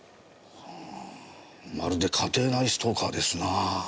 まるで家庭内ストーカーですなあ。